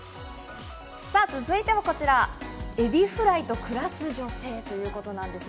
続いてはこちら、エビフライと暮らす女性ということです。